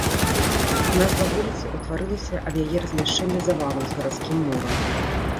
Назва вуліца ўтварылася ад яе размяшчэнне за валам з гарадскім мурам.